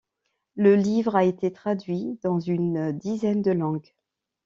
Le livre a été traduit dans une dizaine de langues.